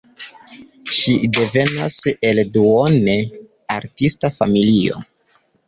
Ŝi devenas el duone artista familio.